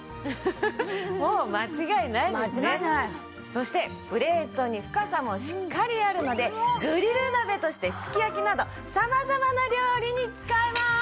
そしてプレートに深さもしっかりあるのでグリル鍋としてすき焼きなど様々な料理に使えます。